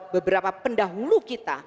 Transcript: beberapa pendahulu kita